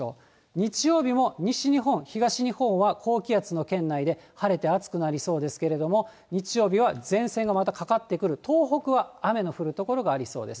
日曜日も西日本、東日本は高気圧の圏内で、晴れて暑くなりそうですけれども、日曜日は前線がまたかかってくる東北は雨の降る所がありそうです。